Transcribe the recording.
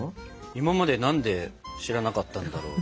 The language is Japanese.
今まで何で知らなかったんだろう。